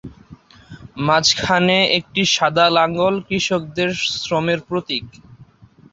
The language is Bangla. মাঝখানে একটি সাদা লাঙল কৃষকদের শ্রমের প্রতীক।